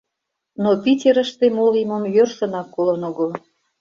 Но Питерыште мо лиймым йӧршынак колын огыл.